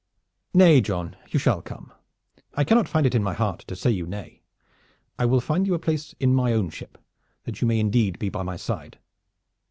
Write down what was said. "Nay, John, you shall come. I cannot find it in my heart to say you nay. I will find you place in my own ship, that you may indeed be by my side."